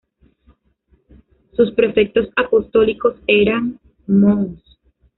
Sus prefectos apostólicos eran: Mons.